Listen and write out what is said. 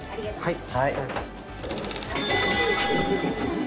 はい。